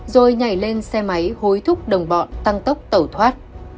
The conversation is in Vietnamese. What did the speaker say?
rồi nhảy lên xe máy hối thúc đồng bọn tăng tốc tẩu thoát